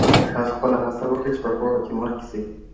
تاسو خپله هڅه وکړئ چې په پوهه کې مخکې سئ.